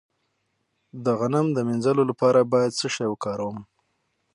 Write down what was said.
د غم د مینځلو لپاره باید څه شی وکاروم؟